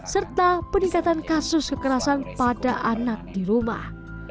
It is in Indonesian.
serta peningkatan kasus kekerasan pada anak di rumah